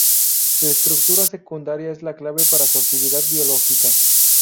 Su estructura secundaria es la clave para su actividad biológica.